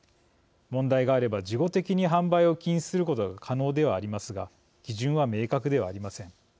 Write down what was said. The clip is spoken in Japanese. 問題があれば事後的に販売を禁止することが可能ではありますが基準は明確ではありません。